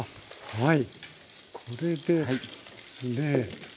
はい。